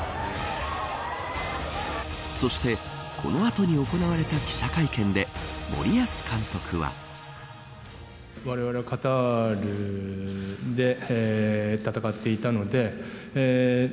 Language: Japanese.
そして、この後に行われた記者会見で森保監督は。さらに吉田麻也選手も。